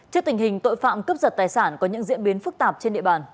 trước tình hình tội phạm cướp giật tài sản có những diễn biến phức tạp trên địa bàn